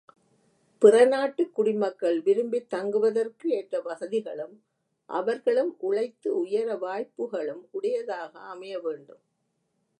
பிற நாட்டுக் குடிமக்கள் விரும்பித் தங்குவதற்கு ஏற்ற வசதிகளும், அவர்களும் உழைத்து உயர வாய்ப்புகளும் உடையதாக அமைய வேண்டும்.